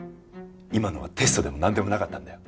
今のはテストでもなんでもなかったんだよ。